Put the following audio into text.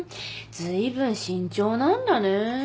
随分慎重なんだね。